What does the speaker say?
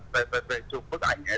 về chụp bức ảnh ấy